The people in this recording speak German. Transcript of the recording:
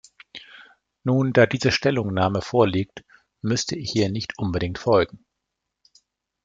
Nun, da diese Stellungnahme vorliegt, müsste ich ihr nicht unbedingt folgen.